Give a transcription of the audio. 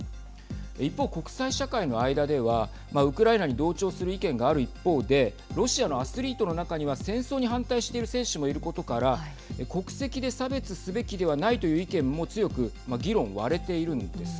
一方、国際社会の間ではウクライナに同調する意見がある一方でロシアのアスリートの中には戦争に反対している選手もいることから国籍で差別すべきではないという意見も強く議論が割れているんです。